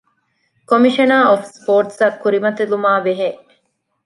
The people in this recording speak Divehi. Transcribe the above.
ކޮމިޝަނަރ އޮފް ސްޕޯޓްސްއަށް ކުރިމަތިލުމާ ބެހޭ